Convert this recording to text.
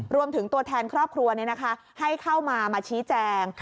รวมถึงตัวแทนครอบครัวให้เข้ามามาชี้แจง